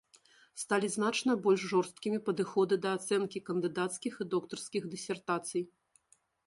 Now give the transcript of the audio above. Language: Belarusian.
Сталі значна больш жорсткімі падыходы да ацэнкі кандыдацкіх і доктарскіх дысертацый.